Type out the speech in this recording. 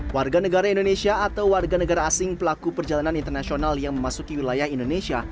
warga negara indonesia atau warga negara asing pelaku perjalanan internasional yang memasuki wilayah indonesia